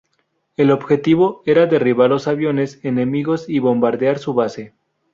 El objetivo era derribar los aviones enemigos y bombardear su base.